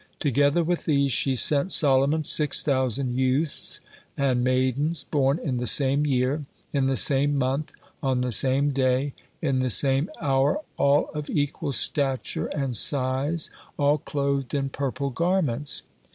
Together with these she sent Solomon six thousand youths and maidens, born in the same year, in the same month, on the same day, in the same hour all of equal stature and size, all clothed in purple garments.